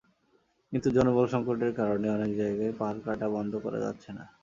কিন্তু জনবলসংকটের কারণে অনেক জায়গায় পাহাড় কাটা বন্ধ করা যাচ্ছে না।